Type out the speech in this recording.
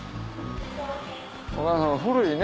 お母さん古いね